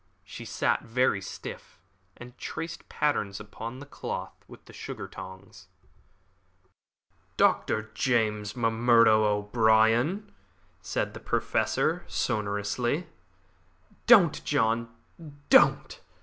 She sat very stiff, and traced patterns upon the cloth with the sugar tongs. "Dr. James M'Murdo O'Brien " said the Professor, sonorously. "Don't, John, don't!"